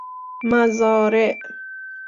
مزارع